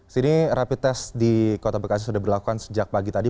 sini rapid test di kota bekasi sudah berlaku sejak pagi tadi